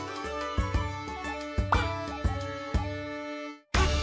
「パッ！」